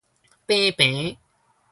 平平